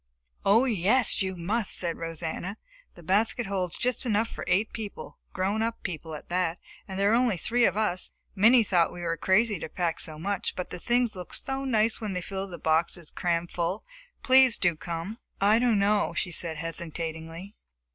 "Oh yes, you must!" said Rosanna. "The basket holds just enough for eight people grown up people at that; and there are only three of us. Minnie thought we were crazy to pack so much, but the things looked so nice when they filled the boxes cramful. Please do come!" "I don't know," she said hesitatingly.